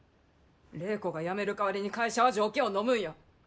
礼子がやめる代わりに会社は条件をのむんや。